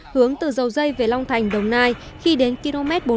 hướng từ dầu dây về long thành đồng nai khi đến km bốn mươi